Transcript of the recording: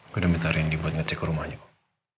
gue udah minta randy buat ngecek rumahnya kok